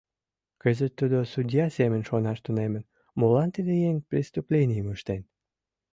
Кызыт тудо судья семын шонаш тунемын: «Молан тиде еҥ преступленийым ыштен?